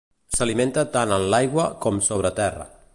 S'alimenta tant en l'aigua com sobre terra.